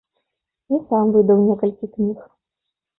Я сам выдаў некалькі кніг.